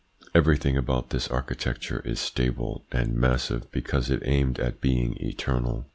Everything about this architecture is stable and massive because it aimed at being eternal.